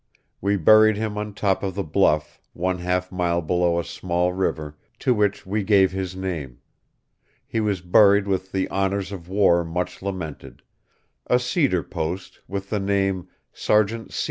We buried him on the top of the bluff one half mile below a small river to which we gave his name, he was buried with the Honors of War much lamented, a seeder post with the Name Sergt.